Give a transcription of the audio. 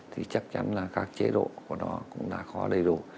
thì chắc chắn là các chế độ của nó cũng đã khó đầy đủ